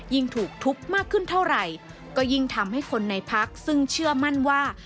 ยิ่งถูกทุบมากขึ้นเท่าไหร่ก็ยิ่งทำให้คนในพักซึ่งเชื่อมั่นว่า